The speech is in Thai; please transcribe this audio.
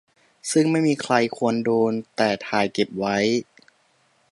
ซึ่งไม่มีใครควรโดน แต่ถ่ายเก็บไว้